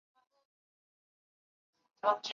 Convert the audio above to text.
东汉建安中分匈奴左部居此。